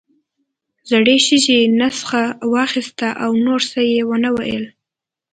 زړې ښځې نسخه واخيسته او نور څه يې ونه ويل.